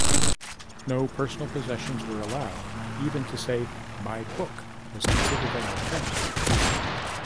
No personal possessions were allowed: even to say "my book" was considered an offence.